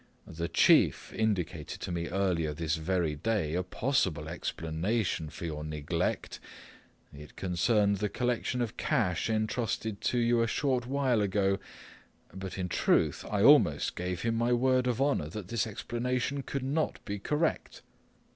The Chief indicated to me earlier this very day a possible explanation for your neglect it concerned the collection of cash entrusted to you a short while ago but in truth I almost gave him my word of honour that this explanation could not be correct.